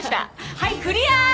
はいクリアー！